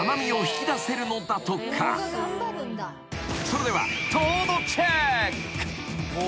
［それでは］